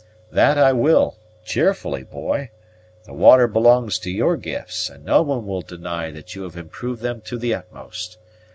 "That I will, cheerfully, boy. The water belongs to your gifts, and no one will deny that you have improved them to the utmost.